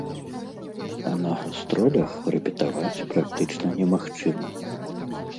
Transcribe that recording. А на гастролях рэпетаваць практычна немагчыма.